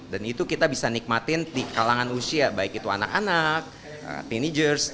dan itu kita bisa nikmatin di kalangan usia baik itu anak anak teenagers